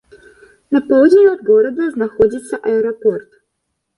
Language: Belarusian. На поўдзень ад горада знаходзіцца аэрапорт.